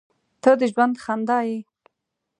• ته د ژوند خندا یې.